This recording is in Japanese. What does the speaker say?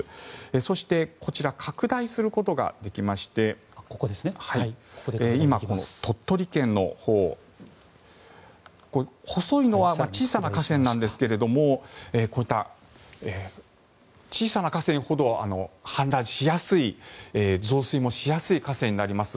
そして、こちら拡大することができまして今、鳥取県の細いのは小さな河川なんですがこういった小さな河川ほど氾濫しやすい増水もしやすい河川になります。